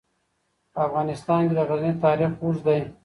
په افغانستان کې د غزني تاریخ اوږد دی.